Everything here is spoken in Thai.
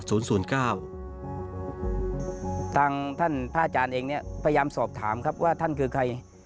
ทางท่านพระอาจารย์เองเนี่ยพยายามสอบถามครับว่าท่านคือใคร